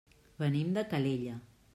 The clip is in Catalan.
Venim de Calella.